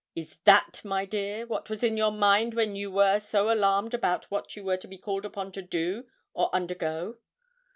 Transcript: Is that, my dear, what was in your mind when you were so alarmed about what you were to be called upon to do, or undergo?'